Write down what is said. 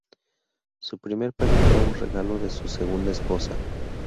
Su primer perro fue un regalo de su segunda esposa.